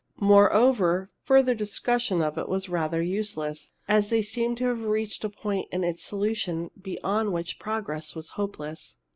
Moreover, further discussion of it was rather useless, as they seemed to have reached a point in its solution beyond which progress was hopeless.